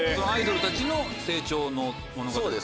アイドルたちの成長の物語？